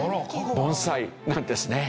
盆栽なんですね。